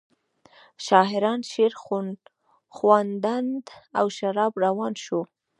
شاعران شعرخواندند او شراب روان شو.